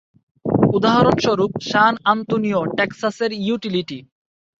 উদাহরণ স্বরূপ San Antonio, টেক্সাসের ইউটিলিটি।